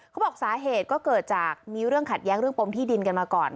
เขาบอกสาเหตุก็เกิดจากมีเรื่องขัดแย้งเรื่องปมที่ดินกันมาก่อน